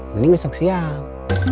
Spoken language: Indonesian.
mending besok siap